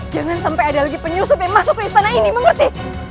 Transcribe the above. jangan sampai ada lagi penyusup yang masuk ke istana ini mengerti